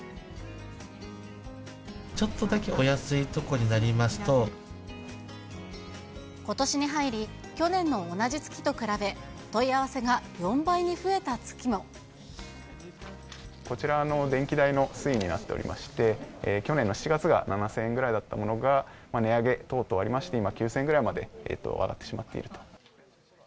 ちょっとだけお安い所になりことしに入り、去年の同じ月と比べ、こちらの電気代の推移になっておりまして、去年の７月が７０００円ぐらいだったものが、値上げ等々ありまして、今、９０００円ぐらいまで上がってしまっていると。